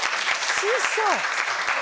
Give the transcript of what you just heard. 師匠！